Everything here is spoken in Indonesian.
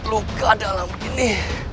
luka dalam ini